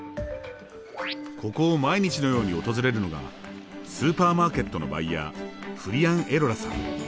ここを毎日のように訪れるのがスーパーマーケットのバイヤーフリアン・エロラさん。